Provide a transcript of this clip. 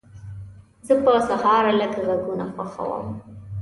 زه په سهار لږ غږونه خوښوم.